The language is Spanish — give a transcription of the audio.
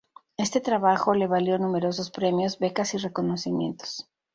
Este trabajo le valió numerosos premios, becas y reconocimientos.